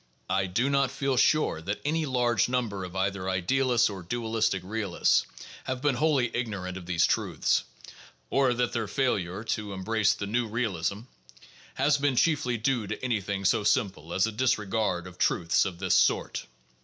I do not feel sure that any large number of either idealists or dualistic realists have been wholly ignorant of these truths, or that their failure to embrace the new realism has been chiefly due to anything so simple as a disregard of truths of this sort.